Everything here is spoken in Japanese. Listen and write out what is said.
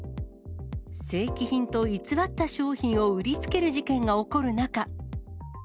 正規品と偽った商品を売りつける事件が起こる中。